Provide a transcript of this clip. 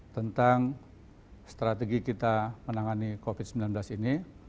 tentang strategi kita menangani covid sembilan belas ini